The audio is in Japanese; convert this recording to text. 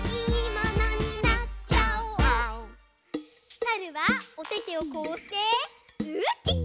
さるはおててをこうしてウッキッキ！